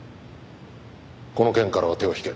この件からは手を引け。